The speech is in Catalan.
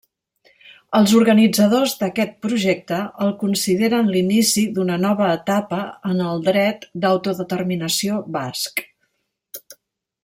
Els organitzadors d'aquest projecte el consideren l'inici d'una nova etapa en el dret d'autodeterminació basc.